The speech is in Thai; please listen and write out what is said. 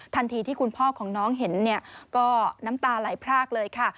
ทันทีที่คุณพ่อของน้องเห็นเนี่ยก็น้ำตาไหลพรากเลยค่ะ